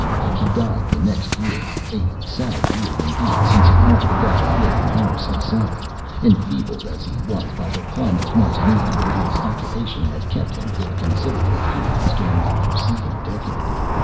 He died the next year a sad year indeed, since it marked the death of William Harris himself, enfeebled as he was by the climate of Martinique, where his occupation had kept him for considerable periods during the preceding decade.